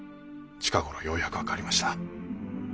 近ごろようやく分かりました。